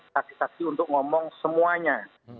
saksi saksi untuk ngomong semuanya